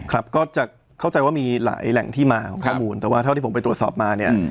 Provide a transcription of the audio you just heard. ครับก็จะเข้าใจว่ามีหลายแหล่งที่มาของข้อมูลแต่ว่าเท่าที่ผมไปตรวจสอบมาเนี่ย